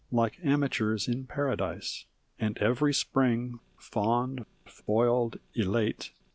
Like amateurs in paradise; And every spring, fond, foiled, elate.